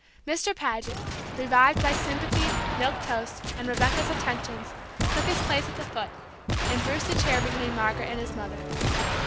Mr. Paget, revived by sympathy, milk toast, and Rebecca's attentions, took his place at the foot, and Bruce the chair between Margaret and his mother.